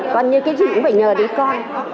còn như cái gì cũng phải nhờ đến con